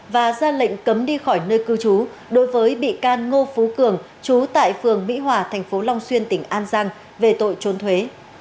và ra lệnh cấm đi khỏi nơi cư trú đối với bị can ngô phú cường chú tại phường mỹ hòa thành phố long xuyên tỉnh an giang về tội trốn thuế